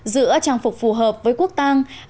giữa trang phục phù hợp với quốc tang